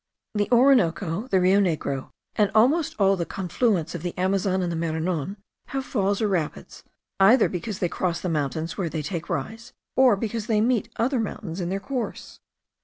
The Orinoco, the Rio Negro, and almost all the confluents of the Amazon and the Maranon, have falls or rapids, either because they cross the mountains where they take rise, or because they meet other mountains in their course.